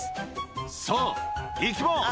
「さぁいきます